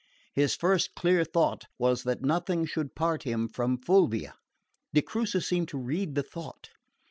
His first clear thought was that nothing should part him from Fulvia. De Crucis seemed to read the thought.